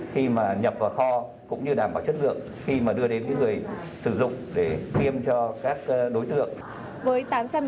khi mà nhập vào kho cũng như đảm bảo chất lượng khi mà đưa đến những người sử dụng để tiêm cho các đối tượng